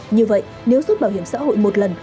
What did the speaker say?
như vậy nếu rút bảo hiểm xã hội một lần